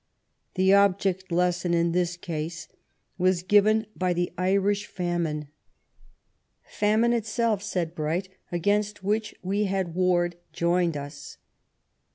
The object lesson in this case was given by the Irish Famine. " Famine itself," said Bright, "against which we had warred, joined us."